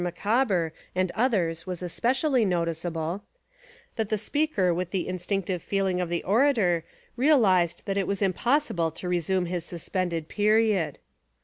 Micawber and others was especially noticeable) that the speaker with the instinctive feeling of the orator realised that it was impossible to resume his suspended period.